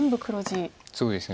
そうですね。